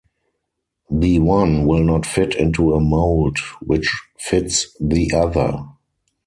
The one will not fit into a mould which fits the other.